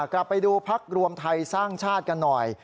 กลับไปดูพักรวมไทยสร้างชาติกันหน่อย